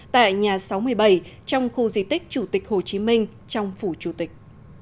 tại nhà sáu mươi bảy trong khu di tích chủ tịch hồ chí minh trong phủ chủ tịch